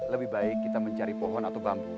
lebih baik kita mencari pohon atau bambu